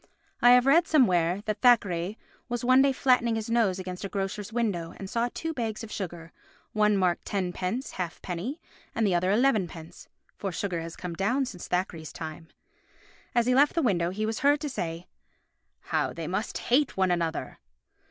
I have read somewhere that Thackeray was one day flattening his nose against a grocer's window and saw two bags of sugar, one marked tenpence halfpenny and the other elevenpence (for sugar has come down since Thackeray's time). As he left the window he was heard to say, "How they must hate one another!"